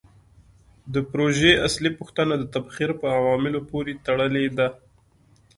د پروژې اصلي پوښتنه د تبخیر په عواملو پورې تړلې ده.